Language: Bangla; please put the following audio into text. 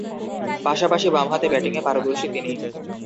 পাশাপাশি বামহাতে ব্যাটিংয়ে পারদর্শী তিনি।